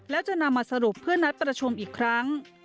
แล้วจะนำมาสรุปเพื่อนัดประชุมอีกครั้ง